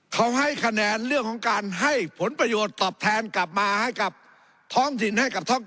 เขาให้คะแนนเรื่องของการให้ผลประโยชน์ตอบแทนกลับมาให้กับท้องถิ่นให้กับท้อง